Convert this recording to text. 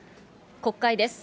国会です。